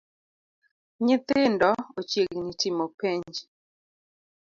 Nyithindo ochiegni timo penj